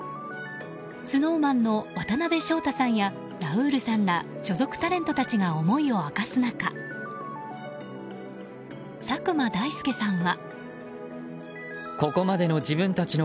ＳｎｏｗＭａｎの渡辺翔太さんやラウールさんら所属タレントたちが思いを明かす中佐久間大介さんは。